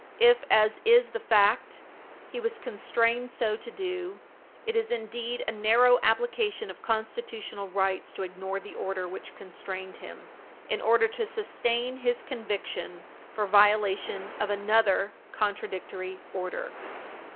If, as is the fact, he was constrained so to do, it is indeed a narrow application of constitutional rights to ignore the order which constrained him in order to sustain his conviction for violation of another contradictory order.